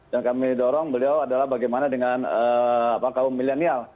yang kami dorong beliau adalah bagaimana dengan kaum milenial